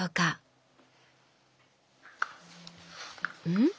ん？